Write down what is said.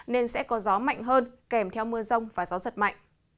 nên sẽ có gió mạnh hơn kèm theo mưa rông và gió giật mạnh